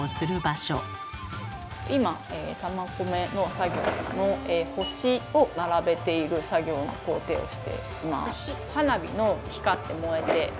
今玉込めの作業の星を並べている作業の工程をしています。